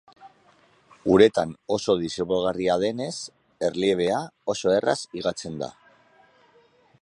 Uretan oso disolbagarria denez, erliebea, oso erraz higatzen da.